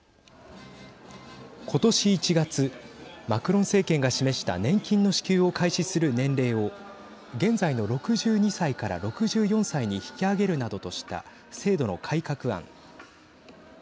今年１月マクロン政権が示した年金の支給を開始する年齢を現在の６２歳から６４歳に引き上げるなどとした制度の改革案。